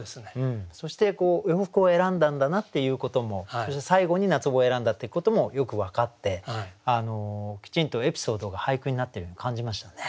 そして洋服を選んだんだなっていうこともそして最後に夏帽を選んだってこともよく分かってきちんとエピソードが俳句になっているように感じましたね。